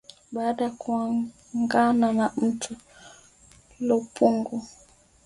Baada ya kuungana na Mto Lumpungu